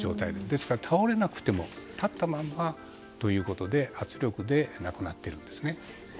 ですから、倒れなくても立ったままということで圧力で亡くなっているんですね。